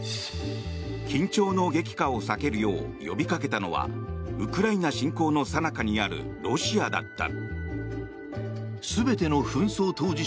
緊張の激化を避けるよう呼びかけたのはウクライナ侵攻のさなかにあるロシアだった。